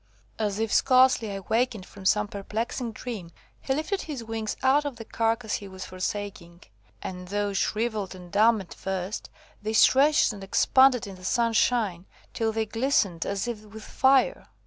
"As if scarcely awakened from some perplexing dream, he lifted his wings out of the carcase he was forsaking; and though shrivelled and damp at first, they stretched and expanded in the sunshine, till they glistened as if with fire.